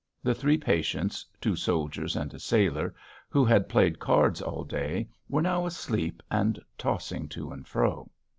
The three patients two soldiers and a sailor who had played cards all day were now asleep and tossing to and fro.